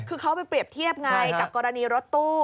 คือเขาไปเปรียบเทียบไงกับกรณีรถตู้